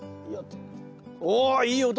おいい音！